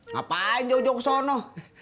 ngapain di ujung kesono